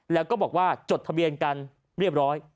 แล้วก็บอกว่าจดทะเบียนกันเรียบร้อย